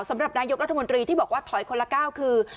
สำหรับนายกรัฐมนตรีที่บอกว่าถอยคนละก้าวคือ